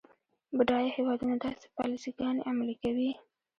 بډایه هیوادونه داسې پالیسي ګانې عملي کوي.